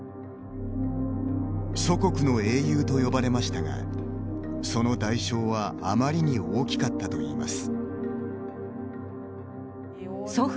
祖国の英雄と呼ばれましたがその代償はあまりに大きかったといいます。